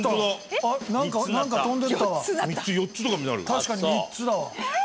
確かに３つだわ。